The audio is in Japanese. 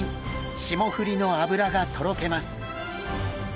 霜降りの脂がとろけます！